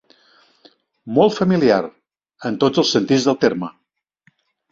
Molt familiar, en tots els sentits del terme.